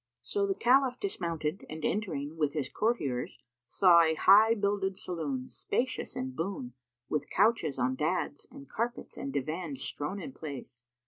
So the Caliph dismounted and entering, with his courtiers, saw a high builded saloon, spacious and boon, with couches on daďs and carpets and divans strown in place.